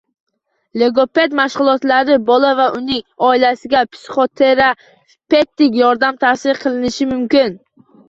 Logoped mashg‘ulotlari, bola va uning oilasiga psixoterapevtik yordam tavsiya qilinishi mumkin.